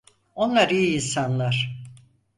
Onlar iyi insanlar.